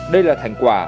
đây là thành quả